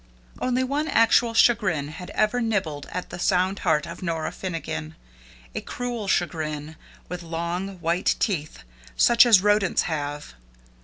Only one actual chagrin had ever nibbled at the sound heart of Nora Finnegan a cruel chagrin, with long, white teeth, such as rodents have!